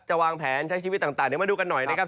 จะวางแผนใช้ชีวิตต่างมาดูกันหน่อยนะครับ